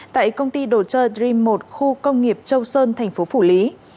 tại công ty đồ chơi dream một khu công nghiệp châu sơn tp phủ lý